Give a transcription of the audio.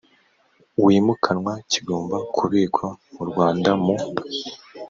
wimukanwa kigomba kubikwa mu rwanda mu